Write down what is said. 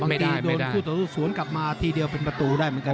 บางทีโดนสวนกลับมาทีเดียวเป็นประตูได้เหมือนกัน